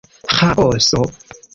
Ĥaoso.